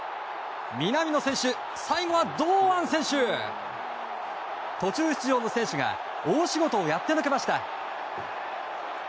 南野選手、最後は堂安選手と途中出場の選手が大仕事をやってのけました。